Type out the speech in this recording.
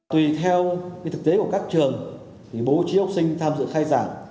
tùy theo thực tế của các trường thì bố trí học sinh tham dự khai giảng